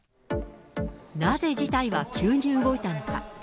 なぜ事態は急に動いたのか。